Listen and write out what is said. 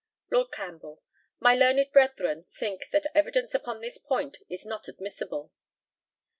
Lord CAMPBELL: My learned brethren think that evidence upon this point is not admissible.